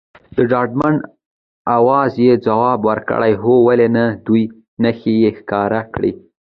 په ډاډمن اواز یې ځواب ورکړ، هو ولې نه، دوې نښې یې ښکاره کړې.